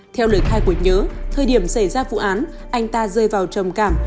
theo lời khai của nhớ thời điểm xảy ra vụ án anh ta rơi vào trầm cảm